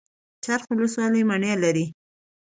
څرخ ولسوالۍ مڼې لري؟